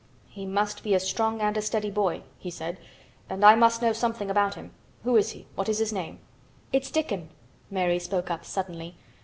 "He must be a strong boy and a steady boy," he said. "And I must know something about him. Who is he? What is his name?" "It's Dickon," Mary spoke up suddenly.